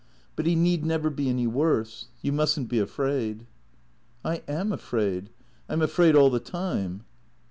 " But he need never be any worse. You must n't be afraid." " I am afraid. I 'm afraid all the time."